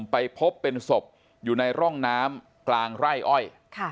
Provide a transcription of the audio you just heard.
ไปพบเป็นศพอยู่ในร่องน้ำกลางไร่อ้อย